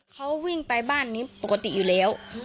เขาวิ่งไปบ้านนี้ปกติอยู่แล้ว